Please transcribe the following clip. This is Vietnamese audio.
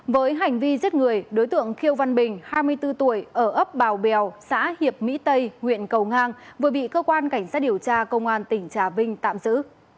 với hành vi giết người đối tượng khiêu văn bình hai mươi bốn tuổi ở ấp bào bèo xã hiệp mỹ tây huyện cầu ngang vừa bị cơ quan cảnh sát điều tra công an tỉnh trà vinh tạm giữ